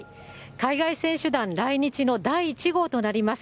海外選手団来日の第１号となります